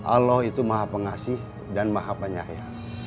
allah itu maha pengasih dan maha penyahya